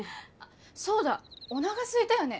そうだおながすいたよね？